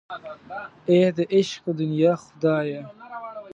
اې د عشق د دنیا خدایه.